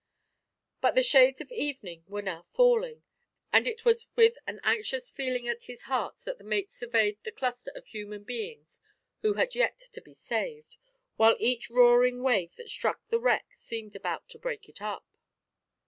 But the shades of evening were now falling, and it was with an anxious feeling at his heart that the mate surveyed the cluster of human beings who had yet to be saved, while each roaring wave that struck the wreck seemed about to break it up.